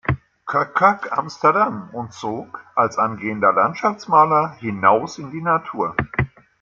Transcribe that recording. Koekkoek Amsterdam und zog, als angehender Landschaftsmaler, hinaus in die Natur.